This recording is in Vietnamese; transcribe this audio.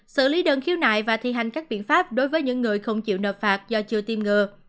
xử lý đơn khiếu nại và thi hành các biện pháp đối với những người không chịu nợ phạt do chưa tiêm ngừa